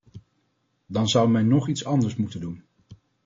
Dan zou men nog iets anders moeten doen.